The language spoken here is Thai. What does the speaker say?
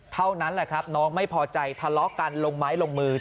เท่านั้นแหละครับน้องไม่พอใจทะเลาะกันลงไม้ลงมือ